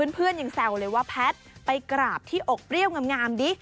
เพื่อนยังแซวเลยว่าแพทย์ไปกราบที่อกเปรี้ยวงามดิ